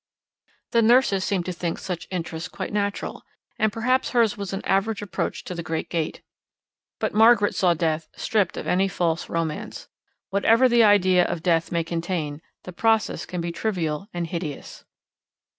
The nurses seemed to think such interests quite natural, and perhaps hers was an average approach to the Great Gate. But Margaret saw Death stripped of any false romance; whatever the idea of Death may contain, the process can be trivial and hideous.